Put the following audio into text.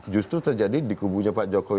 justru terjadi di kubunya pak jokowi